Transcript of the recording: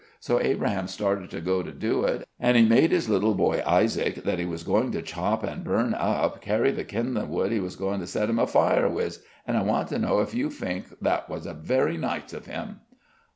So Abraham started to go to do it. An' he made his little boy Isaac, that he was going to chop and burn up carry the kindlin' wood he was goin' to set him a fire wiz. An' I want to know if you fink that wazh very nysh of him?"